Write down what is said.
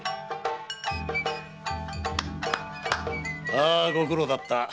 ああご苦労だった。